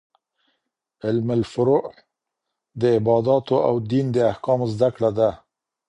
علم الفروع د عباداتو او دين د احکامو زده کړه ده.